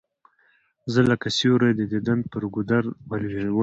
زه لکه سیوری د دیدن پر گودر ولوېدلم